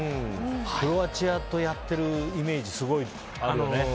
クロアチアとやってるイメージすごいあるよね。